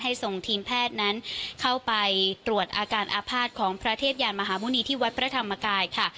ส่งทีมแพทย์นั้นเข้าไปตรวจอาการอาภาษณ์ของพระเทพยานมหาหมุณีที่วัดพระธรรมกายค่ะ